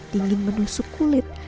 dingin menusuk kulit